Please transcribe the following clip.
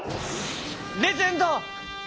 レジェンド！